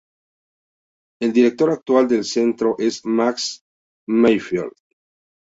El director actual del Centro es Max Mayfield.